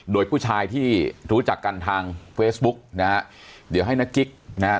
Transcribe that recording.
โดยผู้ชายที่รู้จักกันทางเฟซบุ๊กนะฮะเดี๋ยวให้นักกิ๊กนะฮะ